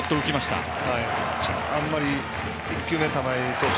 あんまり１球目、玉井投手